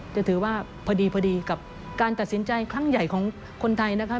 จะถือว่าพอดีพอดีกับการตัดสินใจครั้งใหญ่ของคนไทยนะคะ